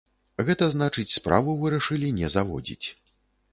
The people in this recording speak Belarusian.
Гэта значыць, справу вырашылі не заводзіць.